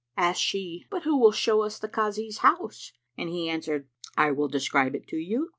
Asked she, "But who will show us the Kazi's house?"; and he answered, "I will describe it to you."